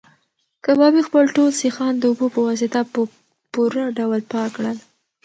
کبابي خپل ټول سیخان د اوبو په واسطه په پوره ډول پاک کړل.